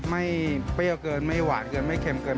เปรี้ยวเกินไม่หวานเกินไม่เค็มเกิน